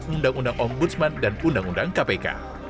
undang undang ong budsman dan undang undang kpk